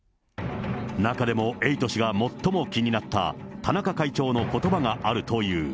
中でも、エイト氏が最も気になった田中会長のことばがあるという。